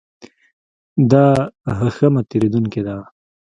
دا هښمه تېرېدونکې ده.